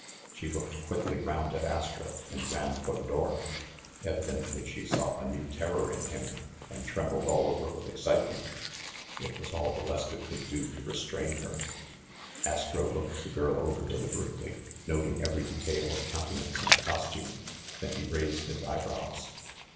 She looked quickly round at Astro, and ran for the door. Evidently she saw a new terror in him, and trembled all over with excitement. It was all Va leska could do to restrain her. 168 THE MASTER OF MYSTERIES Astro looked the girl over deliberately, noting every detail of countenance and costume, then he raised his eyebrows.